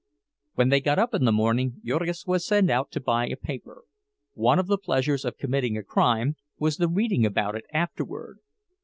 When they got up in the morning, Jurgis was sent out to buy a paper; one of the pleasures of committing a crime was the reading about it afterward.